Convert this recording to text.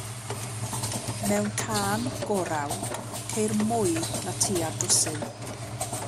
Mewn cân gorawl, ceir mwy na tua dwsin.